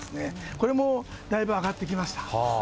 これもだいぶ上がってきました。